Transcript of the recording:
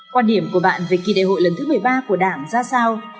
quan điểm của bạn về kỳ đại hội lần thứ một mươi ba của đảng ra sao